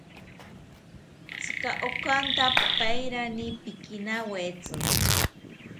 Tzika okanta pairani pikinawetzi